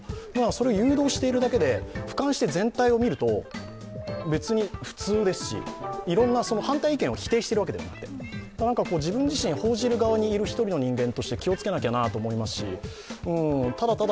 それを誘導しているだけで俯瞰して全体を見ると別に普通ですし、いろんな反対意見を否定しているわけではなくて、自分自身報じる側にいる１人の人間として気を付けなきゃなと思いますしただただ